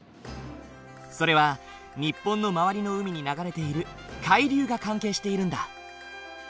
それは日本の周りの海に流れている海流が関係しているんだ。